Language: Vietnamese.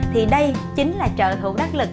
thì đây chính là trợ thủ đắc lực